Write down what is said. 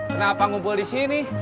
kenapa ngumpul disini